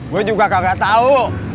gue juga kagak tahu